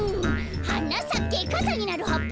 「はなさけかさになるはっぱ」